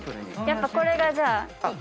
やっぱこれがじゃあ。